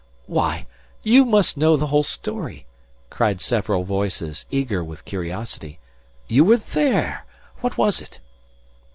"Why! You must know the whole story," cried several voices, eager with curiosity. "You were there! What was it?"